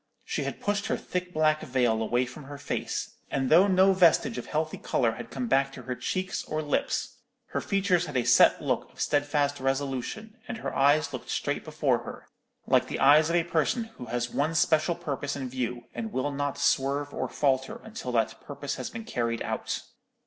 She had pushed her thick black veil away from her face, and though no vestige of healthy colour had come back to her cheeks or lips, her features had a set look of steadfast resolution, and her eyes looked straight before her, like the eyes of a person who has one special purpose in view, and will not swerve or falter until that purpose has been carried out.